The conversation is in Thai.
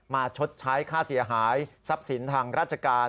ชดใช้ค่าเสียหายทรัพย์สินทางราชการ